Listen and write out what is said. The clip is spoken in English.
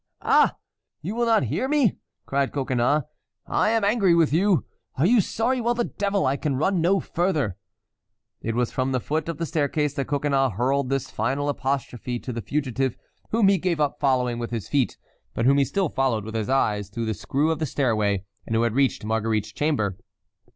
"Ah! you will not hear me!" cried Coconnas. "I am angry with you! Are you sorry? Well, the devil! I can run no further." It was from the foot of the staircase that Coconnas hurled this final apostrophe to the fugitive whom he gave up following with his feet, but whom he still followed with his eyes through the screw of the stairway, and who had reached Marguerite's chamber.